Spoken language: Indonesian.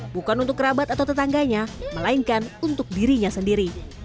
bukan untuk kerabat atau tetangganya melainkan untuk dirinya sendiri